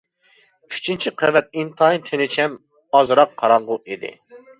ئۈچىنچى قەۋەت ئىنتايىن تىنچ ھەم ئازراق قاراڭغۇ ئىدى.